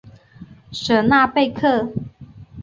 舍纳贝克。